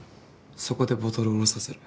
そこでボトル卸させる。